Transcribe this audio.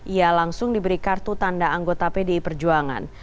ia langsung diberi kartu tanda anggota pdi perjuangan